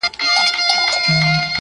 زما له میني لوی ښارونه لمبه کیږي٫